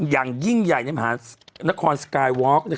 อย่างยิ่งใหญ่ในมหานครสกายวอล์ก